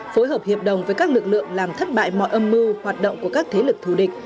phối hợp hiệp đồng với các lực lượng làm thất bại mọi âm mưu hoạt động của các thế lực thù địch